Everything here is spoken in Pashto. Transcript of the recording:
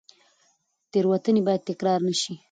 تېروتنې باید تکرار نه شي.